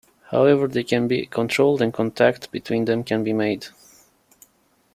However, they can be controlled, and contact between them can be made.